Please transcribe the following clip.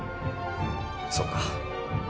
そうか。